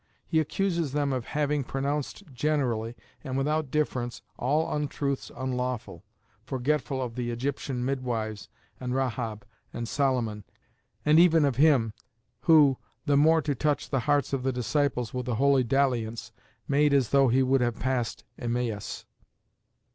He accuses them of "having pronounced generally, and without difference, all untruths unlawful," forgetful of the Egyptian midwives, and Rahab, and Solomon, and even of Him "who, the more to touch the hearts of the disciples with a holy dalliance, made as though he would have passed Emmaus."